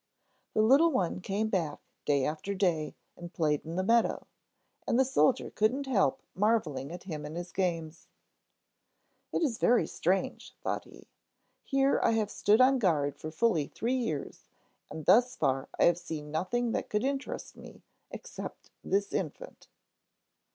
The little one came back day after day and played in the meadow, and the soldier couldn't help marveling at him and his games. "It is very strange," thought he. "Here I have stood on guard for fully three years, and thus far I have seen nothing that could interest me, except this infant."